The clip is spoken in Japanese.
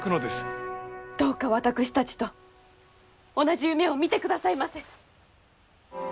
どうか私たちと同じ夢を見てくださいませ。